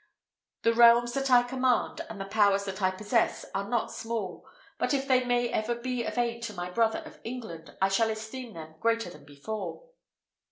The realms that I command, and the powers that I possess, are not small; but if they may ever be of aid to my brother, of England, I shall esteem them greater than before."